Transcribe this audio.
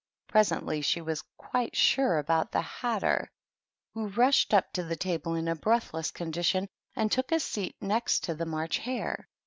Presently she was quite sure about tiie Hatter, who rushed up to the table in a breathless condition and took a seat next to the March Hare.